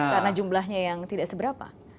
karena jumlahnya yang tidak seberapa